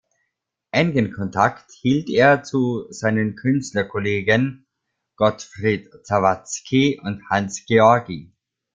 Engen Kontakt hielt er zu seinen Künstlerkollegen Gottfried Zawadzki und Hanns Georgi.